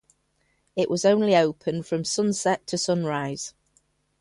It was only open from sunrise to sunset.